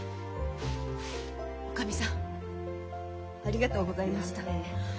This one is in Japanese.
おかみさんありがとうございました。